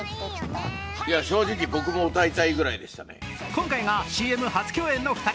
今回がＣＭ初共演の２人。